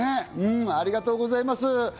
ありがとうございます。